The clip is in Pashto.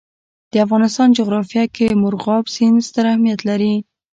د افغانستان جغرافیه کې مورغاب سیند ستر اهمیت لري.